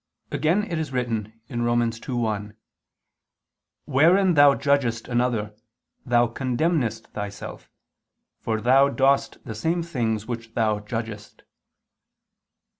Again it is written (Rom. 2:1): "Wherein thou judgest another, thou condemnest thyself. For thou dost the same things which thou judgest."